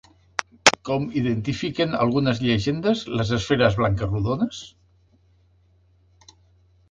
Com identifiquen algunes llegendes les esferes blanques rodones?